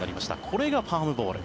これがパームボール。